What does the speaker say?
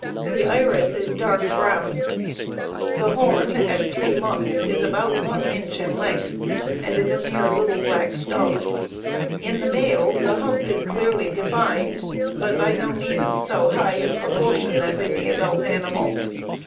The iris is dark brown. The horn at three months is about 1 inch in length, and is a mere little black stub. In the male, the hump is clearly defined, but by no means so high in proportion as in the adult animal.